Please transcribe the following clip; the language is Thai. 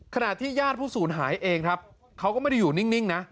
ขณะที่ญาติผู้สูญหายเองครับเขาก็ไม่ได้อยู่นิ่งนะ